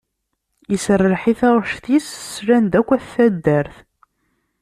Iserreḥ i taɣect-is slan-d akk At taddart.